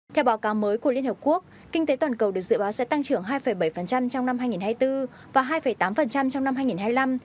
theo báo cáo mới của liên hợp quốc kinh tế toàn cầu được dự báo sẽ tăng trưởng hai bảy trong năm hai nghìn hai mươi bốn và hai tám trong năm hai nghìn hai mươi năm